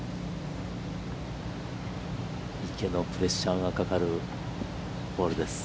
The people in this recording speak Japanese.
池のプレッシャーがかかるホールです。